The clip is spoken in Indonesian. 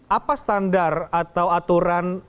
apa standar atau aturan